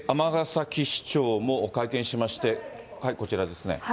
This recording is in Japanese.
尼崎市長も会見しまして、こちらですね。